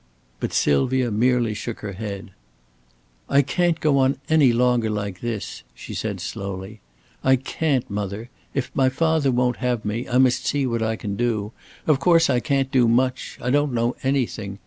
But Sylvia merely shook her head. "I can't go on any longer like this," she said, slowly. "I can't, mother. If my father won't have me, I must see what I can do. Of course, I can't do much. I don't know anything.